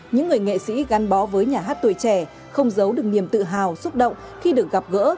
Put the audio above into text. những người nghệ sĩ gắn bó với nhà hát tuổi trẻ không giấu được niềm tự hào xúc động khi được gặp gỡ